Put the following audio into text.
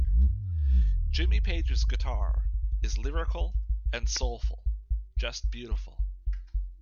Jimmy Page's guitar is lyrical and soulful - just beautiful.